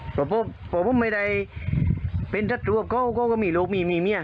เพราะผมผมไม่ได้เป็นทัศน์รอบก้าวก้าวก็มีลูกมีมีเมีย